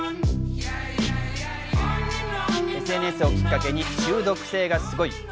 ＳＮＳをきっかけに中毒性がすごい。